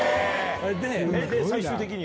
で最終的には？